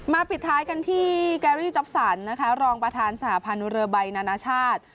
มาปิดท้ายกันที่แกรรี่จ๊อบสรรรองค์ประธานสหพานุรใบนานาชาติ